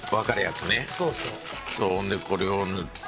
ほんでこれを塗って。